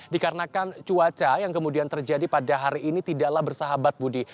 dikarenakan cuaca yang kemudian terjadi pada hari ini tidaklah bersahabat budi